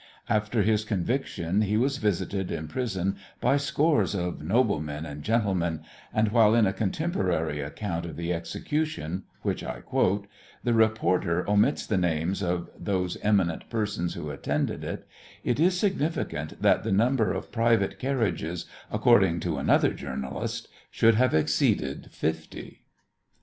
After his conviction he was visited in prison by scores of "noblemen and gentlemen," and while in a contemporary account of the execution which I quote the reporter omits the names of those eminent persons who attended it, it is significant that the number of private carriages, according to another journalist, should have exceeded fifty.